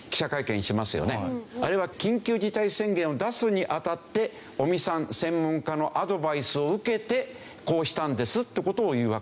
あれは緊急事態宣言を出すにあたって尾身さん専門家のアドバイスを受けてこうしたんですって事を言うわけですね。